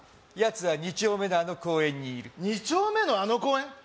やつは２丁目のあの公園にいる２丁目のあの公園？